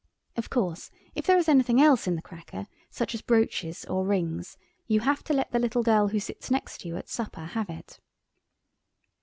Of course, if there is anything else in the cracker, such as brooches or rings, you have to let the little girl who sits next you at supper have it.